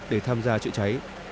để tham gia trựa cháy